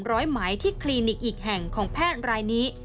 ร้อยหมายที่คลินิกอีกแห่งของแพทย์รายนี้